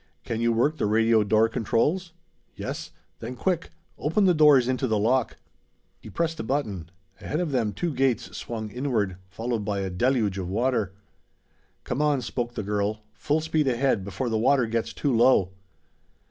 "Can you work the radio door controls?" "Yes." "Then quick! Open the doors into the lock!" He pressed a button. Ahead of them two gates swung inward, followed by a deluge of water. "Come on!" spoke the girl. "Full speed ahead, before the water gets too low."